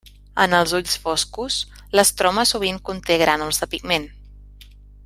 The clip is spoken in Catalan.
En els ulls foscos, l'estroma sovint conté grànuls de pigment.